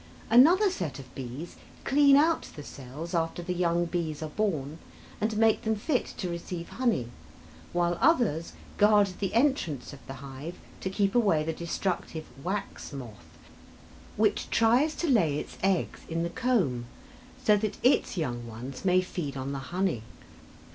Another set of bees clean out the cells after the young bees are born, and make them fit to receive honey, while others guard the entrance of the hive to keep away the destructive wax moth, which tries to lay its eggs in the comb so that its young ones may feed on the honey.